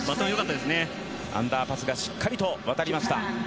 アンダーパスがしっかりと渡りました。